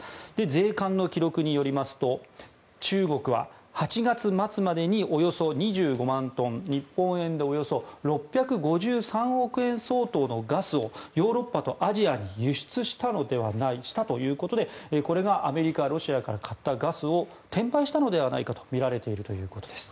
税関の記録によりますと中国は８月末までにおよそ２５万トン、日本円でおよそ６５３億円相当のガスをヨーロッパとアジアに輸出したということでこれがアメリカ、ロシアから買ったガスを転売したのではないかとみられているということです。